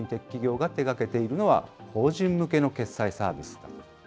企業が手がけているのは、法人向けの決済サービス。